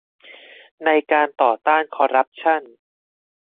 ในการต่อต้านคอร์รัปชั่น